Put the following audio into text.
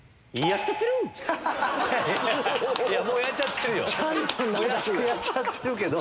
やっちゃってるけど。